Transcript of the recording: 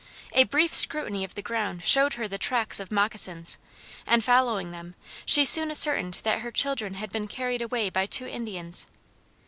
A brief scrutiny of the ground showed her the tracks of moccasins, and following them she soon ascertained that her children had been carried away by two Indians.